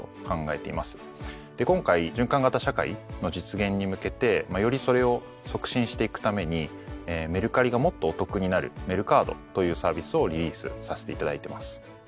で今回循環型社会の実現に向けてよりそれを促進していくために「メルカリ」がもっとお得になる「メルカード」というサービスをリリースさせていただいてます。